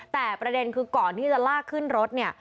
แต่ประเด็นคือก่อนที่จะลากขึ้นรถเนี่ย